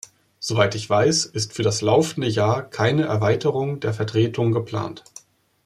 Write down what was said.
Soweit ich weiß, ist für das laufende Jahr keine Erweiterung der Vertretungen geplant.